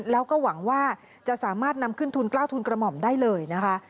แล้วก็หวังว่าจะสามารถนำขึ้นทุนกล้าวทุนกระหม่อมได้เลยนะคะ